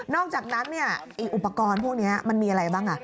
อกจากนั้นอุปกรณ์พวกนี้มันมีอะไรบ้าง